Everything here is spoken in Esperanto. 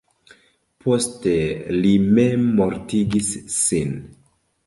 Poste li memmortigis sin.